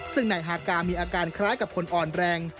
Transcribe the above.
ซึ่งนายฮากามีอาการคล้ายกับคนอ่อนแรง